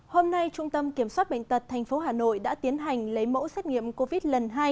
hôm nay trung tâm kiểm soát bệnh tật thành phố hà nội đã tiến hành lấy mẫu xét nghiệm covid một mươi chín lần hai